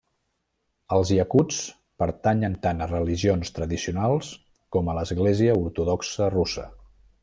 Els iacuts pertanyen tant a religions tradicionals com a l'església ortodoxa russa.